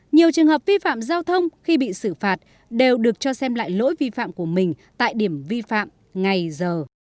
nhiều trường hợp vi phạm giao thông khi bị xử phạt đều được cho xem lại lỗi vi phạm của mình tại điểm vi phạm ngay giờ